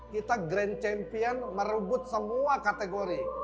kita grand champion merebut semua kategori